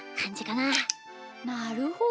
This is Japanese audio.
なるほど。